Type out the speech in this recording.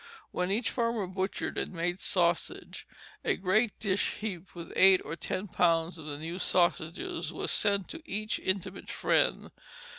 When each farmer butchered and made sausage, a great dish heaped with eight or ten pounds of the new sausages was sent to each intimate friend.